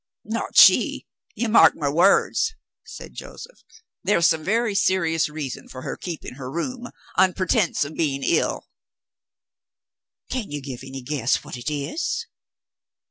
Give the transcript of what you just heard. "Not she! You mark my words," said Joseph, "there's some very serious reason for her keeping her room, on pretense of being ill." "Can you give any guess what it is?"